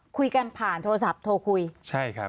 คุยกันผ่านโทรศัพท์โทรคุยใช่ครับ